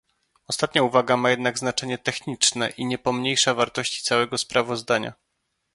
Ostatnia uwaga ma jednak znaczenie techniczne i nie pomniejsza wartości całego sprawozdania